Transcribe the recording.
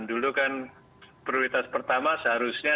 dulu kan prioritas pertama seharusnya